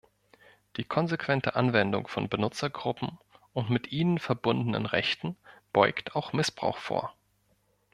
Die konsequente Anwendung von Benutzergruppen und mit ihnen verbundenen Rechten beugt auch Missbrauch vor.